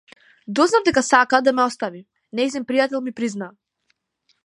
Дознав дека сака да ме остави, нејзин пријател ми призна.